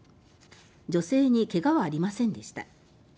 女性に怪我はありませんでした。